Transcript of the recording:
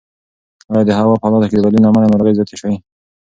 ایا د هوا په حالاتو کې د بدلون له امله ناروغۍ زیاتې شوي؟